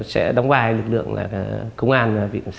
sẽ đóng vai lực lượng công an